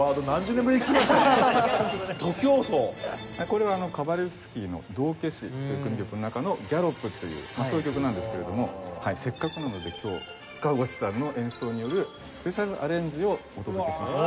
これはカバレフスキーの『道化師』という組曲の中の『ギャロップ』というそういう曲なんですけれどもせっかくなので今日塚越さんの演奏によるスペシャルアレンジをお届けします。